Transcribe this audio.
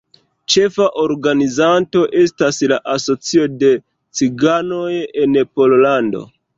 Ĉefa organizanto estas la Asocio de Ciganoj en Pollando.